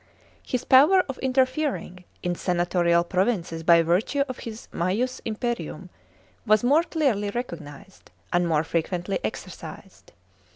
(4) His power of interfering in senatorial provinces by virtue of his maius imperium was more clearly recognised, and more frequently exercised.